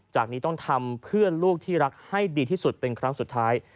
จากนี้ต้องทำเพื่อลูกที่รักให้ดีที่สุดเป็นครั้งสุดท้าย